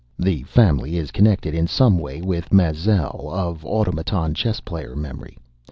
The family is connected, in some way, with Mäelzel, of Automaton chess player memory.